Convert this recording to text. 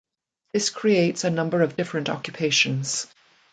This creates a number of different occupations.